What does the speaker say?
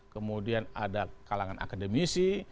kemudian ada kalangan akademisi